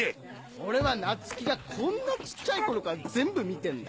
俺は夏希がこんな小っちゃい頃から全部見てんだ。